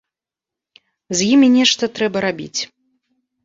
З імі нешта трэба рабіць.